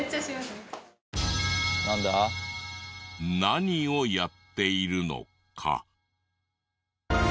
何をやっているのか？